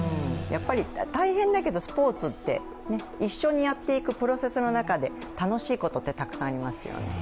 大変だけどスポーツって、一緒にやっていくプロセスの中で楽しいことってたくさんありますよね。